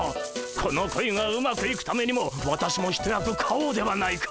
この恋がうまくいくためにも私も一役買おうではないか。